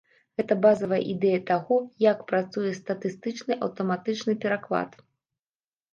Гэта базавая ідэя таго, як працуе статыстычны аўтаматычны пераклад.